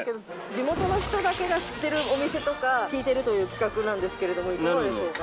地元の人だけが知ってるお店とか聞いてるという企画なんですけれどもいかがでしょうか？